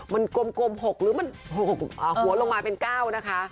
มันกลม๖หรือมัน๖หัวลงมาเป็น๙นะคะ